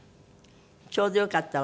ちょうどよかったわね。